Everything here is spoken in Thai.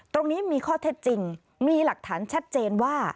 ตรงนี้มีข้อเท็จจริงมีหลักฐานชัดเจนว่า